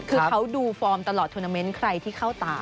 คือเขาดูฟอร์มตลอดทวนาเมนต์ใครที่เข้าตา